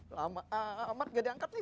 lama amat gak diangkat nih